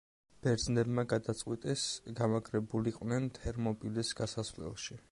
ბერძნებმა გადაწყვიტეს გამაგრებულიყვნენ თერმოპილეს გასასვლელში.